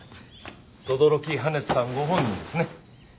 轟木羽人さんご本人ですね。